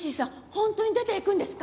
本当に出て行くんですか！？